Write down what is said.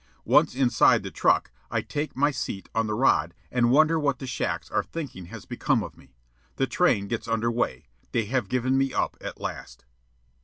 Once inside the truck, I take my seat on the rod and wonder what the shacks are thinking has become of me. The train gets under way. They have given me up at last.